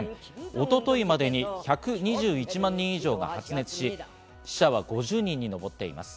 一昨日まで１２１万人以上が発熱し、死者は５０人に上っています。